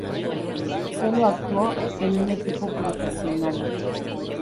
Solo actuó en un equipo profesional.